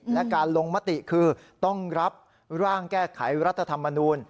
และการลงมติคือต้องรับร่างแก้ไขรัฐธรรมนูล